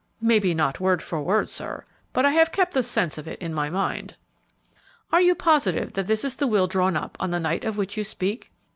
"Maybe not word for word, sir, but I have kept the sense of it in my mind." "Are you positive that this is the will drawn up on the night of which you speak?"